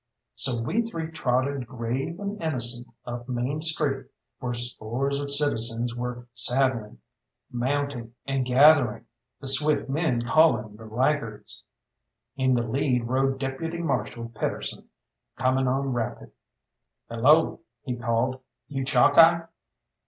So we three trotted grave and innocent up Main Street, where scores of citizens were saddling, mounting, and gathering, the swift men calling the laggards. In the lead rode Deputy Marshal Pedersen, coming on rapid. "Hello," he called, "you, Chalkeye!"